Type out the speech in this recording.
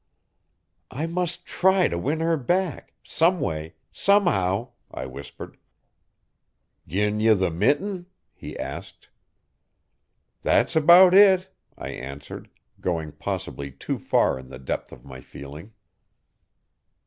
'I must try to win her back someway somehow,' I whispered. 'Gi n ye the mitten?' he asked. 'That's about it,' I answered, going possibly too far in the depth of my feeling.